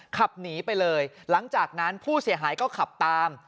ขับหนีไปเลยหลังจากนั้นผู้เสียหายก็ขับตาม